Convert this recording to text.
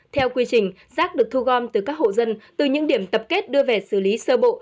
theo quy trình rác được thu gom từ các hộ dân từ những điểm tập kết đưa về xử lý sơ bộ